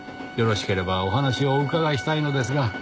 よろしければお話をお伺いしたいのですが。